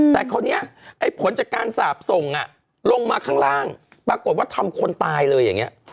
แต่คราวนี้ไอ้ผลจากการสาบส่งลงมาข้างล่างปรากฏว่าทำคนตายเลยอย่างนี้